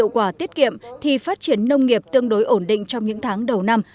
quả tiết kiệm thì phát triển nông nghiệp tương đối ổn định trong những tháng đầu năm